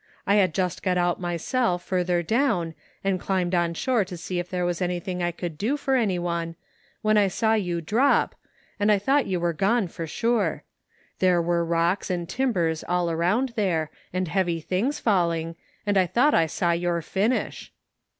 I had just got out myself further down and climbed on shore to see if there was anything I could do for any one, when I saw you drop, and I thought you were gone for sure. There were rocks and timbers all around there and heavy things falling, and I thought I saw your finish."